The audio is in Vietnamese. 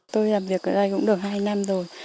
tôi làm việc ở đây cũng được hai năm rồi